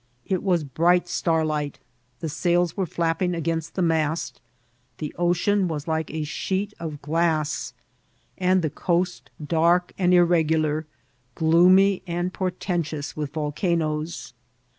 It was bright star light ; the sails were flapping against the mast ; the ocean was like a sheet of glass, and the coast dark and irregular, gloomy, and portentous with volcanoes.